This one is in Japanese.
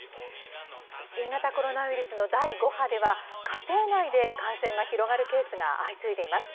新型コロナウイルスの第５波では、家庭内で感染が広がるケースが相次いでいます。